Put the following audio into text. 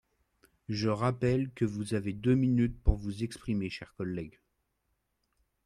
Je rappelle que vous avez deux minutes pour vous exprimer, cher collègue.